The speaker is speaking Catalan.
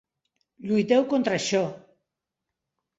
Lluiteu contra això.